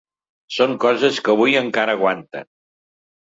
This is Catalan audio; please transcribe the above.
Són coses que avui encara aguanten.